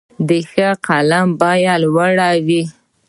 د ښه قلم بیه لوړه وي.